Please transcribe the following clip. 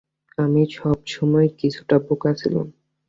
আমি সবসময়ই কিছুটা বোকা ছিলাম।